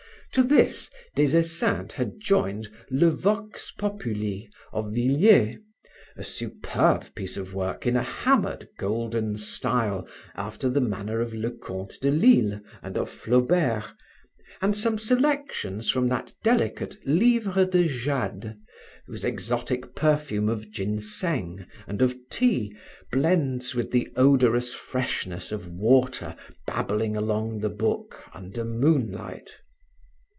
To this, Des Esseintes had joined le Vox populi of Villiers, a superb piece of work in a hammered, golden style after the manner of Leconte de Lisle and of Flaubert, and some selections from that delicate livre de Jade whose exotic perfume of ginseng and of tea blends with the odorous freshness of water babbling along the book, under moonlight.